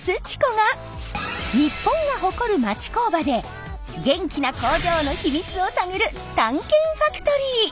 ち子が日本が誇る町工場で元気な工場の秘密を探る「探検ファクトリー」。